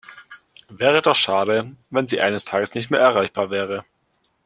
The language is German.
Wäre doch schade, wenn Sie eines Tages nicht mehr erreichbar wäre.